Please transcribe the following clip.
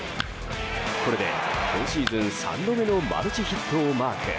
これで今シーズン３度目のマルチヒットをマーク。